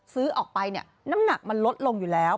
ซื้อออกไปเนี่ยน้ำหนักมันลดลงอยู่แล้ว